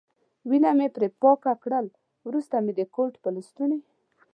وینه مې پرې پاکه کړل، وروسته مې د کوټ په لستوڼي.